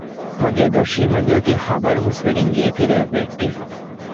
މަގޭ ދޮށީ މަންޖެ އޮތީ ޚަބަރު ހުސްވެގެން ގޭތެރެއަށް ވެއްޓިފަ